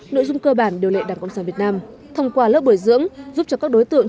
nội dung cơ bản điều lệ đảng cộng sản việt nam thông qua lớp bồi dưỡng giúp cho các đối tượng